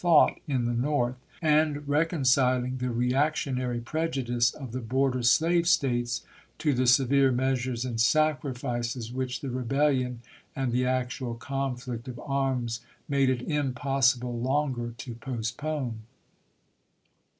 thought in the North, and reconciling the reaction ary prejudice of the border slave States to the severe measures and sacrifices which the rebellion and the actual conflict of arms made it impossible longer to postpone.